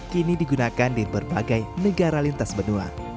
kini digunakan di berbagai negara lintas benua